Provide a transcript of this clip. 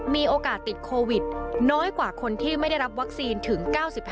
มีโอกาสติดโควิดน้อยกว่าคนที่ไม่ได้รับวัคซีนถึง๙๕